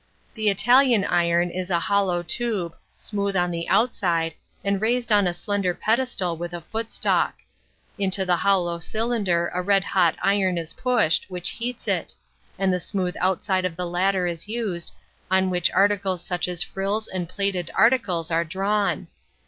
The Italian iron is a hollow tube, smooth on the outside, and raised on a slender pedestal with a footstalk. Into the hollow cylinder a red hot iron is pushed, which heats it; and the smooth outside of the latter is used, on which articles such as frills, and plaited articles, are drawn.